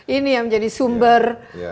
ini yang menjadi sumber